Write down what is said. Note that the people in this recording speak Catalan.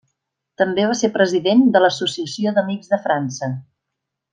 També va ser president de l'Associació d'Amics de França.